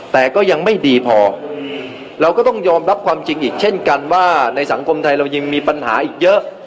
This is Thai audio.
แต่ก็ยังไม่ดีพอเราก็ต้องยอมรับความจริงอีกเช่นกันว่าในสังคมไทยเรายังมีปัญหาอีกเยอะ